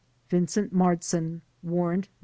Vincent Martzin (Warrant No.